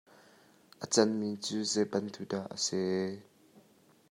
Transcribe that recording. A cang mi cu zei bantuk dah a si?